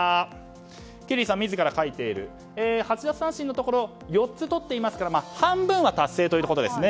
ケリーさん自ら書いている８奪三振のところ４つとっていますから半分達成ということですね。